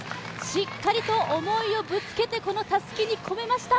しっかりと思いをぶつけて、このたすきに込めました。